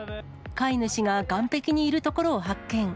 飼い主が岸壁にいるところを発見。